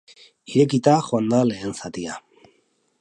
Irekita joan da lehen zatia.